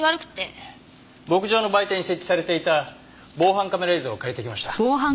牧場の売店に設置されていた防犯カメラ映像を借りてきました。